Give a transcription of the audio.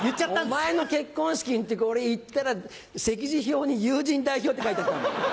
お前の結婚式の時俺行ったら席次表に友人代表って書いてあった。